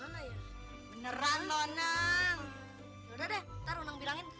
beneran nona udah udah taruh bilangin kaki